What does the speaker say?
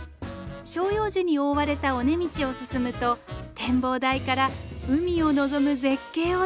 照葉樹に覆われた尾根道を進むと展望台から海を望む絶景を堪能できます。